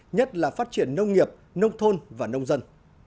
nhất là phát triển nông nghiệp nông thôn và nông dân